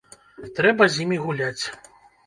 Трэба з імі гуляць.